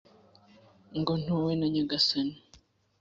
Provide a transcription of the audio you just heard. ngo ntuwe na nyagasani.